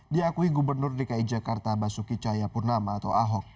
diakui gubernur dki jakarta basuki cahaya purnama atau ahok